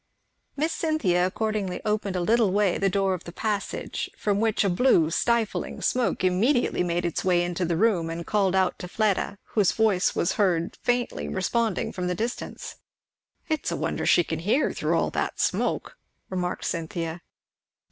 Miss Cynthia accordingly opened a little way the door of the passage, from which a blue stifling smoke immediately made its way into the room, and called out to Fleda. whose little voice was heard faintly responding from the distance. "It's a wonder she can hear through all that smoke," remarked Cynthia.